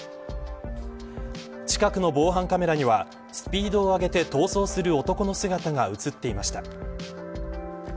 近くの防犯カメラにはスピードを上げて逃走する男の姿が映っていました。